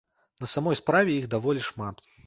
На самай справе іх даволі шмат.